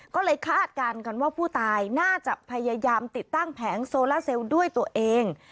ก็เลยคาดการณ์กันว่าผู้ตายน่าจะพยายามติดตั้งแผงโซล่าเซลล์ด้วยตัวเอง